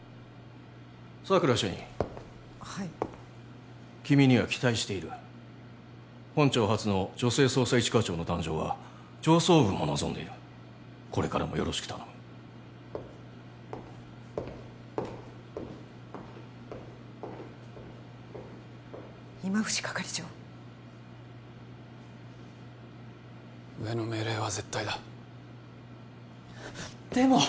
佐久良主任はい君には期待している本庁初の女性捜査一課長の誕生は上層部も望んでいるこれからもよろしく頼む今藤係長上の命令は絶対だでも！